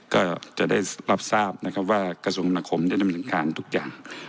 ก็จะได้รับทราบว่ากระทรวงคุมฯได้กำเนินการทุกอย่าง